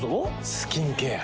スキンケア。